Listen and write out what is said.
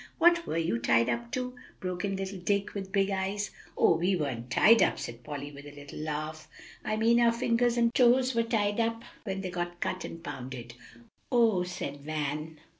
"What were you tied up to?" broke in little Dick with big eyes. "Oh! we weren't tied up," said Polly with a little laugh; "I mean our fingers and toes were tied up when they got cut and pounded." "Oh!" said Van.